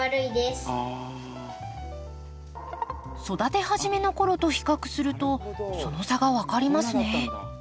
育て始めの頃と比較するとその差が分かりますね。